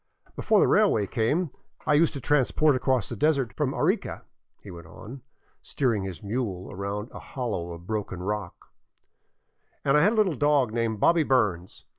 " Before the railway came I used to transport across the desert from Arica," he went on, steering his mule around a hollow of broken rock, " and I had a little dog named Bobbie Burns.